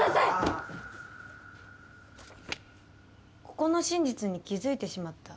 「ここの真実に気づいてしまった」